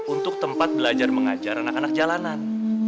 untuk tempat belajar mengajar anak anak jalanan